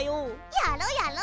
やろやろ！